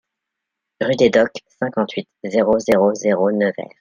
Rue Des Docks, cinquante-huit, zéro zéro zéro Nevers